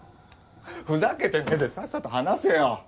ふざけてねえでさっさと話せよ！